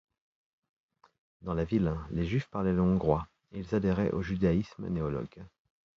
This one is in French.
Dans la ville, les Juifs parlaient le hongrois et ils adhéraient au judaïsme néologue.